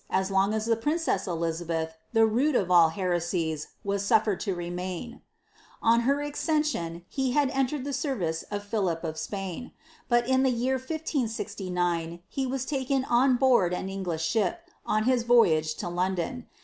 aa long ai prioress Elizabeth, the root of all heresies, was sudered to roui On her accession, he had entered the service of I*hilij> of Spain ; b the year of 1569, he was taken on board an English ship, on Ilia to to London.